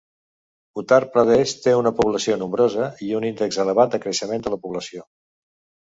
Uttar Pradesh té una població nombrosa i un índex elevat de creixement de la població.